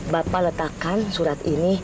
bapak letakkan surat ini